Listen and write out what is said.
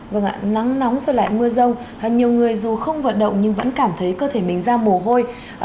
vâng ạ nắng nóng rồi lại mưa rông nhiều người dù không vận động nhưng vẫn cảm thấy cơ thể mình ra mồ hôi